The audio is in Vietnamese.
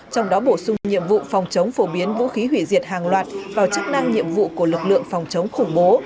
trong đó bổ sung nhiệm vụ phòng chống phổ biến vũ khí hủy diệt hàng loạt vào chức năng nhiệm vụ của lực lượng phòng chống khủng bố